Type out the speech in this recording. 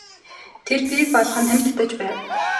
Тэр пиво балган тамхи татаж байв.